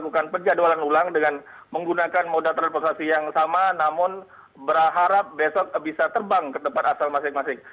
tidak terlalu posisi yang sama namun berharap besok bisa terbang ke depan asal masing masing